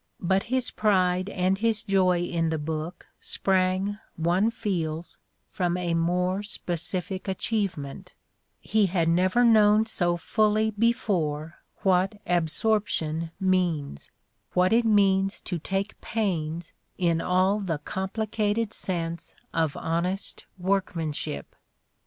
But his pride and his joy in the book sprang, one feels, from a more specific achievement : he had never known so fully before what absorption means, what it means to take pains in all the complicated sense of honest workman ship.